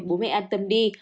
bố mẹ an tâm đi